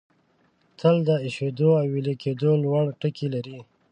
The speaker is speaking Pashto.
تل د ایشېدو او ویلي کېدو لوړ ټکي لري.